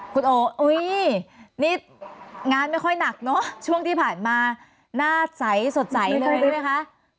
คุณโอเอ้ยนี่งานไม่ค่อยหนักเนอะช่วงที่ผ่านมาหน้าใสสดใสเลยรู้ไหมคะ